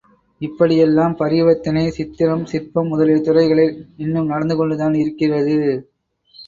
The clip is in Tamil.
இப்படி எல்லாம் பரிவர்த்தனை, சித்திரம், சிற்பம் முதலிய துறைகளில் இன்னும் நடந்து கொண்டுதான் இருக்கிறது.